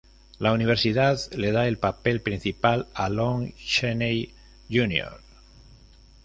La Universal le da el papel principal a Lon Chaney, Jr.